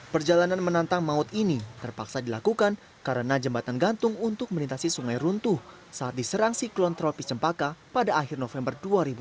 perjalanan menantang maut ini terpaksa dilakukan karena jembatan gantung untuk melintasi sungai runtuh saat diserang siklon tropis cempaka pada akhir november dua ribu dua puluh